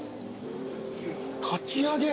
かき揚げ？